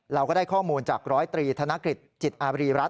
เราก็ได้ข้อมูลจากร้อยตรีธนกฤษจิตอาบรีรัฐ